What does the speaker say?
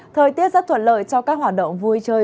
thời tiết rất thuận lợi cho các hoạt động vui chơi